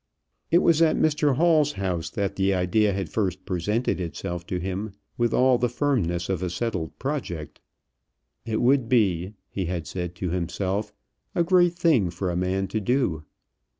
It was at Mr Hall's house that the idea had first presented itself to him with all the firmness of a settled project. It would be, he had said to himself, a great thing for a man to do.